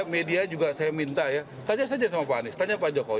media juga saya minta ya tanya saja sama pak anies tanya pak jokowi